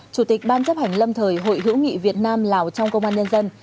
chủ tịch ban chấp hành lâm thời hội hữu nghị việt nam lào trong công an nhân dân